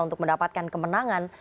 untuk mendapatkan kemenangan